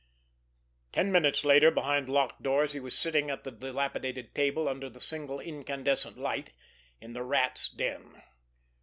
Ten minutes later, behind locked doors, he was sitting at the dilapidated table under the single incandescent light, in the Rat's den.